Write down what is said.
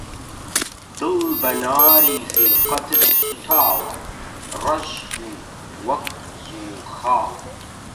دڵ بە ناری فیرقەتت سووتاوە، ڕەش بوو وەک زوخاڵ